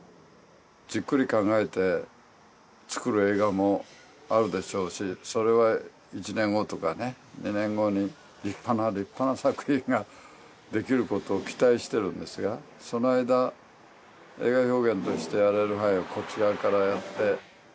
じっくり考えて作る映画もあるでしょうしそれは１年後とかね２年後に立派な立派な作品ができることを期待しているんですがその間映画表現としてやれる範囲をこちらからやって。